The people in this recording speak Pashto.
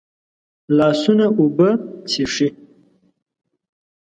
لاسونه اوبه څښي